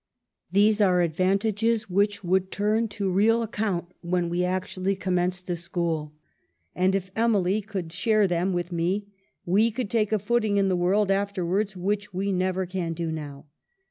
..." These are advantages which would turn to real account when we actually commenced a school ; and, if Emily could share them with me, we could take a footing in the world after wards which we never can do now.